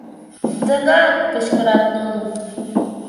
Тыгак! — кычкырат нуно.